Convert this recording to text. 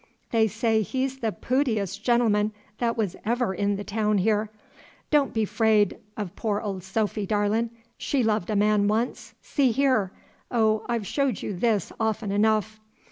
They say he's the pootiest gen'l'man that was ever in the town here. Don' be 'fraid of poor Ol' Sophy, darlin', she loved a man once, see here! Oh, I've showed you this often enough!"